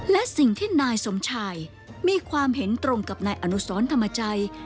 และสิ่งที่นายสมชายมีความเห็นตรงกับนายอนุสรธรรมจัย